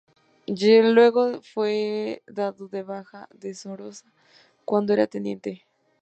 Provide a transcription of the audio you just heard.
Luego fue dado de baja deshonrosa cuando era teniente.